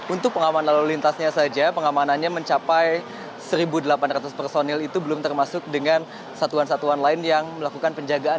untuk pengaman lalu lintasnya saja pengamanannya mencapai satu delapan ratus personil itu belum termasuk dengan satuan satuan lain yang melakukan penjagaan